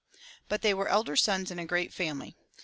But they were elder sons in a great family.